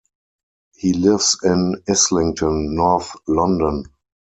He lives in Islington, North London.